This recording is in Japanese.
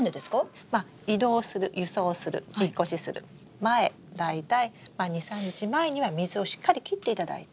まあ移動する輸送する引っ越しする前大体２３日前には水をしっかり切っていただいて。